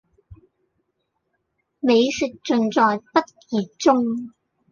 美食盡在不言中